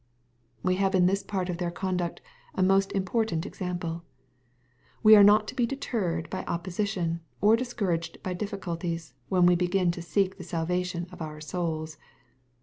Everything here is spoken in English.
We have in this part of their conduct, a most import ant example. We are not to be deterred by opposition, or discouraged by difficulties, when we begin to seek the salvation of our souls.